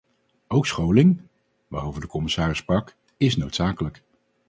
Ook scholing, waarover de commissaris sprak, is noodzakelijk.